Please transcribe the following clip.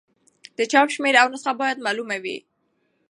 د چاپ شمېر او نسخه باید معلومه وي.